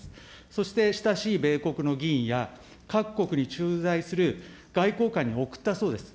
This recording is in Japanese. そして親しい米国の議員や、各国に駐在する外交官に贈ったそうです。